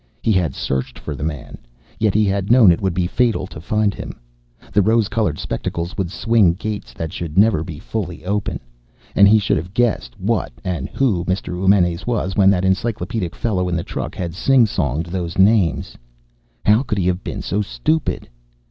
He had searched for the man. Yet he had known it would be fatal to find him. The rose colored spectacles would swing gates that should never be fully open. And he should have guessed what and who Mr. Eumenes was when that encyclopedic fellow in the truck had singsonged those names. How could he have been so stupid?